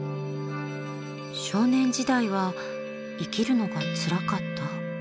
少年時代は生きるのがつらかった？